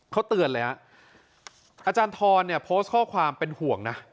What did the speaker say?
เขาเตือนเลยฮะอาจารย์ทรเนี่ยโพสต์ข้อความเป็นห่วงนะ